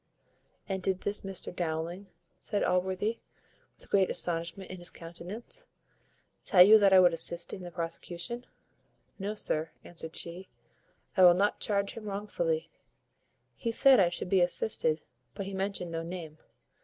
"And did this Mr Dowling," says Allworthy, with great astonishment in his countenance, "tell you that I would assist in the prosecution?" "No, sir," answered she, "I will not charge him wrongfully. He said I should be assisted, but he mentioned no name.